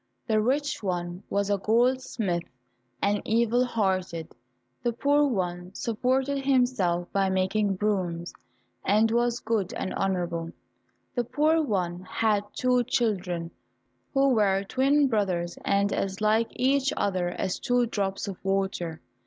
The rich one was a goldsmith and evil hearted. The poor one supported himself by making brooms, and was good and honourable. The poor one had two children, who were twin brothers and as like each other as two drops of water.